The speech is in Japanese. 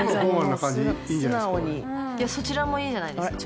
そちらもいいじゃないですか。